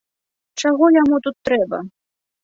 Чаго яму тут трэба?